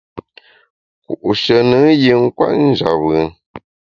Ku’she nùn yin kwet njap bùn.